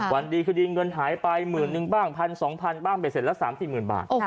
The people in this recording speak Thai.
วันดีคดีเงินหายไป๑๑๐๐๐๑๒๐๐๐บ้างไปเสร็จแล้ว๓๐๐๐๐บาท